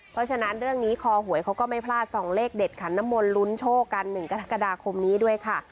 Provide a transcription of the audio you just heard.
เพราะฉะนั้นเรื่องนี้คอหวยเขาก็ไม่พลาดส่องเลขเด็ดขันน้ำมนต์ลุ้นโชคกัน๑กรกฎาคมนี้ด้วยค่ะ